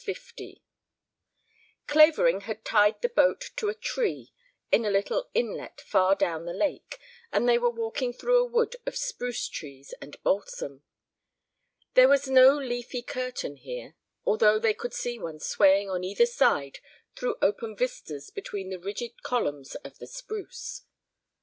L Clavering had tied the boat to a tree in a little inlet far down the lake, and they were walking through a wood of spruce trees and balsam. There was no leafy curtain here, although they could see one swaying on either side through open vistas between the rigid columns of the spruce.